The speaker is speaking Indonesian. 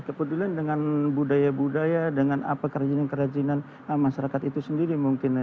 kepedulian dengan budaya budaya dengan apa kerajinan kerajinan masyarakat itu sendiri mungkin